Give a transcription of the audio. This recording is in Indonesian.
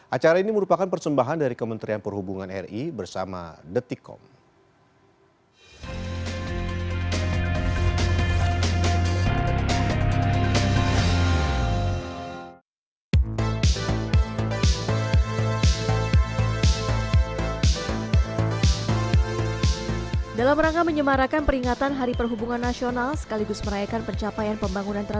acara ini merupakan persembahan dari kementerian perhubungan ri bersama detikom